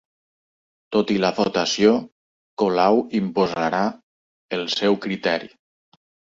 Tot i la votació Colau imposarà el seu criteri